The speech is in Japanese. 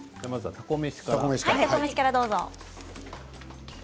たこ飯からどうぞ。